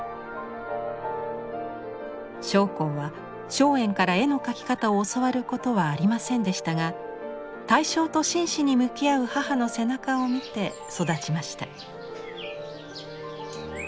松篁は松園から絵の描き方を教わることはありませんでしたが対象と真摯に向き合う母の背中を見て育ちました。